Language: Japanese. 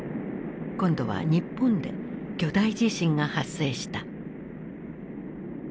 今度は日本で巨大地震が発生した。